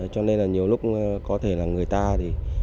cho nên là nhiều lúc có thể là người ta thì